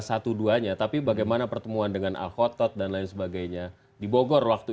satu duanya tapi bagaimana pertemuan dengan al khotot dan lain sebagainya di bogor waktu